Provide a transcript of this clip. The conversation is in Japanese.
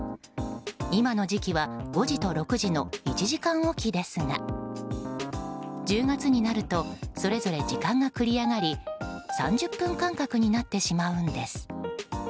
今の時期は５時と６時の１時間おきですが１０月になるとそれぞれ時間が繰り上がり３０分間隔になってしまうんです。